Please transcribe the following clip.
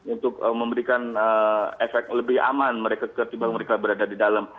untuk memberikan efek lebih aman mereka ketimbang mereka berada di dalam